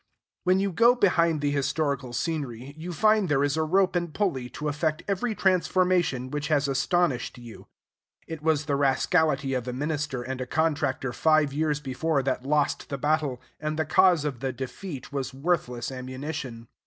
When you go behind the historical scenery, you find there is a rope and pulley to effect every transformation which has astonished you. It was the rascality of a minister and a contractor five years before that lost the battle; and the cause of the defeat was worthless ammunition.